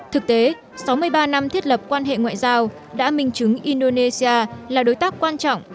thực tế sáu mươi ba năm thiết lập quan hệ ngoại giao đã minh chứng indonesia là đối tác quan trọng